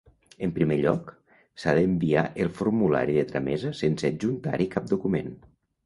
En primer lloc, s'ha d'enviar el formulari de tramesa sense adjuntar-hi cap document.